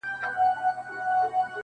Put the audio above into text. ډېر نا اهله بد کرداره او بد خوی ؤ,